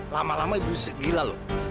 lama lama ibu gila loh